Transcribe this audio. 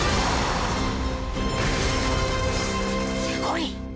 すごい。